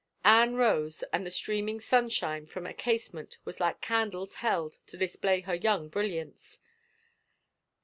Anne rose, and the streaming sunshine from a casement was like candles held to display her young brilliance.